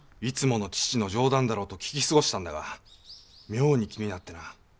いつもの父の冗談だろうと聞き過ごしたんだが妙に気になってな。